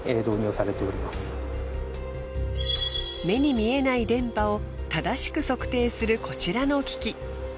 目に見えない電波を正しく測定するこちらの機器。